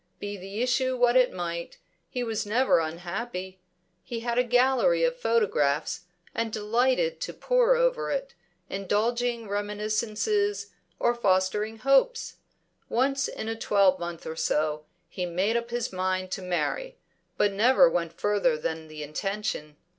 Be the issue what it might, he was never unhappy. He had a gallery of photographs, and delighted to pore over it, indulging reminiscences or fostering hopes. Once in a twelvemonth or so, he made up his mind to marry, but never went further than the intention.